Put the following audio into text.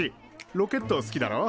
ロケット好きだろ？